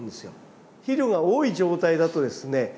肥料が多い状態だとですね